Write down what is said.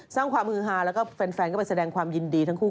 สร้างความฮือฮาแล้วก็แฟนก็ไปแสดงความยินดีทั้งคู่